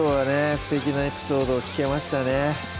すてきなエピソードを聞けましたね